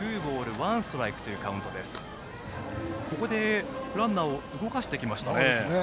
ここでランナーを動かしてきました。